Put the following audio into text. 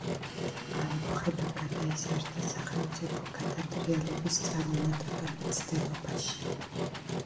ამბოხება გადაიზარდა სახელმწიფო გადატრიალების წარუმატებელ მცდელობაში.